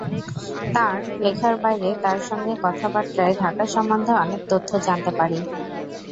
তাঁর লেখার বাইরে তাঁর সঙ্গে কথাবার্তায় ঢাকা সম্বন্ধে অনেক তথ্য জানতে পারি।